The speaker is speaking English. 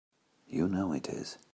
You know it is!